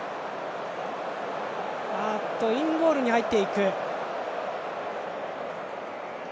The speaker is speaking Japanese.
インゴールに入っていく。